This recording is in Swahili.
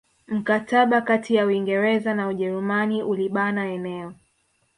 Mkataba kati ya Uingereza na Ujerumani ulibana eneo